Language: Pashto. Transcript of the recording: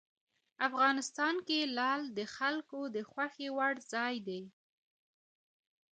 افغانستان کې لعل د خلکو د خوښې وړ ځای دی.